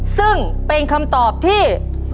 ซึ่งเป็นคำตอบที่